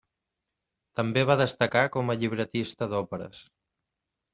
També va destacar com a llibretista d'òperes.